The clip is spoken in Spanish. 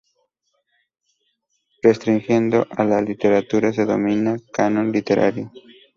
Restringido a la literatura se denomina canon literario.